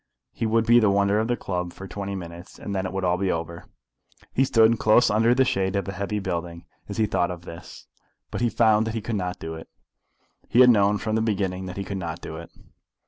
He would be the wonder of the club for twenty minutes, and then it would all be over. He stood close under the shade of a heavy building as he thought of this, but he found that he could not do it. He had known from the beginning that he could not do it.